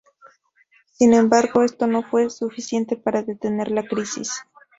Sin embargo, esto no fue suficiente para detener la crisis.